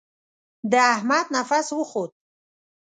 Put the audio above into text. د احمد نفس وخوت.